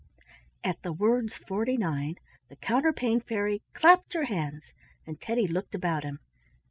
At the words forty nine, the Counterpane Fairy clapped her hands and Teddy looked about him.